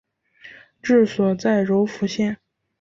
治所在柔服县。